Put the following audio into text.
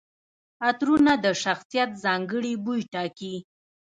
عطرونه د شخصیت ځانګړي بوی ټاکي.